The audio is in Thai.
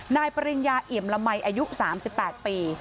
ปริญญาเอี่ยมละมัยอายุ๓๘ปี